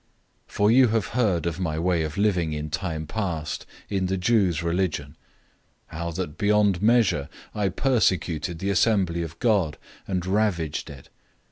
001:013 For you have heard of my way of living in time past in the Jews' religion, how that beyond measure I persecuted the assembly of God, and ravaged it.